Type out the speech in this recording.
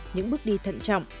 những bước đi thận trọng